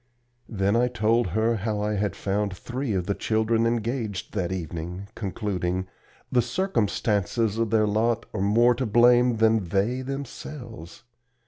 Then I told her how I had found three of the children engaged that evening, concluding: "The circumstances of their lot are more to blame than they themselves.